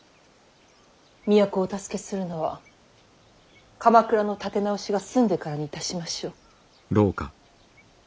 都をお助けするのは鎌倉の立て直しが済んでからにいたしましょう。